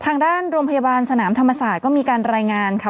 ทางด้านโรงพยาบาลสนามธรรมศาสตร์ก็มีการรายงานค่ะ